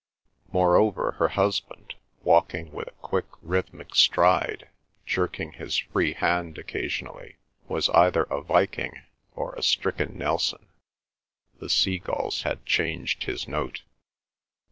Moreover, her husband walking with a quick rhythmic stride, jerking his free hand occasionally, was either a Viking or a stricken Nelson; the sea gulls had changed his note.